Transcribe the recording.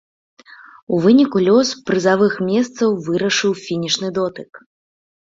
У выніку лёс прызавых месцаў вырашыў фінішны дотык.